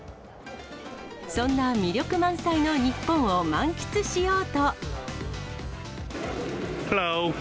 そんな魅力満載の日本を満喫しようと。